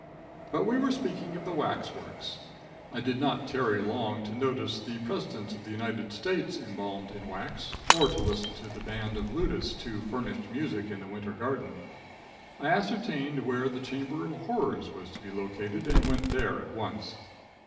But we were speaking of the wax works. I did not tarry long to notice the presidents of the United States embalmed in wax, or to listen to the band of lutists who furnished music in the winter garden. I ascertained where the chamber of horrors was located, and went there at once.